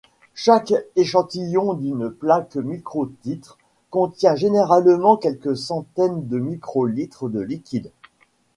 Chaque échantillon d'une plaque microtitre contient généralement quelques centaines de microlitres de liquide.